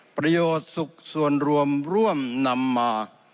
ประโยชน์สุขส่วนรวมร่วมนำมา